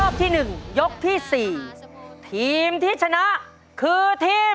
รอบที่หนึ่งยกที่สี่ทีมที่ชนะคือทีม